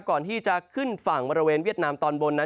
ก่อนที่จะขึ้นฝั่งบริเวณเวียดนามตอนบนนั้น